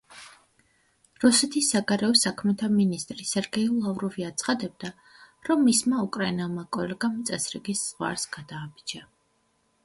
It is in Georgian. რუსეთის საგარეო საქმეთა მინისტრი სერგეი ლავროვი აცხადებდა, რომ მისმა უკრაინელმა კოლეგამ წესრიგის ზღვარს გადააბიჯა.